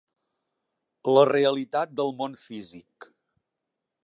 La realitat del món físic.